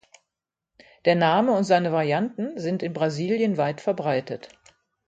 Der Name und seine Varianten sind in Brasilien weit verbreitet.